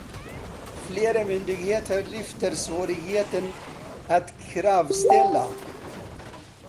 Flera myndigheter lyfter svårigheten att kravställa.